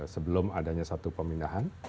sebelum adanya satu pemindahan